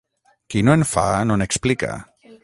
Qui no en fa, no n'explica.